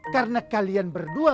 karena kalian berdua